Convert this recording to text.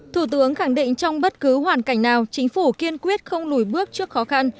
thủ tướng khẳng định trong bất cứ hoàn cảnh nào chính phủ kiên quyết không lùi bước trước khó khăn